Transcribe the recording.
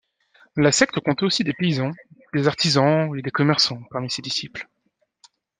La secte comptait aussi des paysans, des artisans et des commerçants parmi ses disciples.